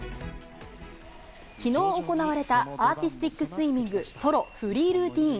きのう行われた、アーティスティックスイミング、ソロ・フリールーティン。